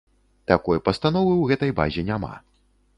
Такой пастановы ў гэтай базе няма.